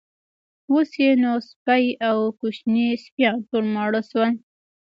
اوس یې نو سپۍ او کوچني سپیان ټول ماړه شول.